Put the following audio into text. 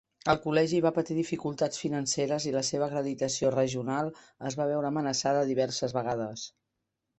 El col·legi va patir dificultats financeres i la seva acreditació regional es va veure amenaçada diverses vegades.